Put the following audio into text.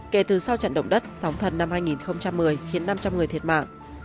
kể từ sau trận động đất sóng thần năm hai nghìn một mươi khiến năm trăm linh người thiệt mạng